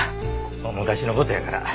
もう昔の事やから。